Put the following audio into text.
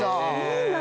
いいな。